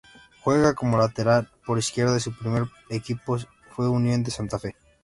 Juega como lateral por izquierda y su primer equipo fue Unión de Santa Fe.